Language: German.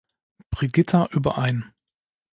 Brigitta überein.